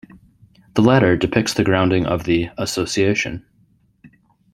The latter depicts the grounding of the "Association".